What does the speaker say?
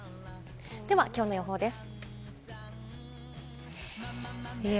今日の予報です。